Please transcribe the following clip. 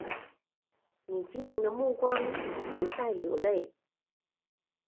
你晶莹的目光不再流泪